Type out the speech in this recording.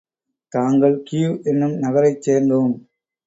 தாங்கள் கீவ் என்னும் நகரைச் சேர்ந்தோம்.